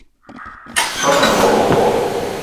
Soobo a ne woua coco